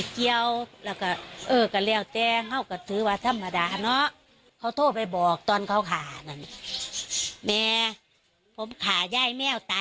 เขาโทษไปบอกตอนเขาขา